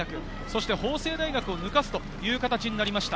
法政大学を抜かすという形なりました。